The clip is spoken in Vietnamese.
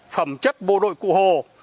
phẩm chất bộ đội cụ hồ